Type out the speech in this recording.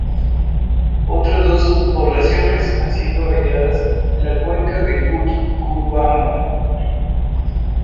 Otras dos subpoblaciones han sido halladas en la cuenca del Utcubamba.